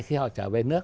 khi họ trở về nước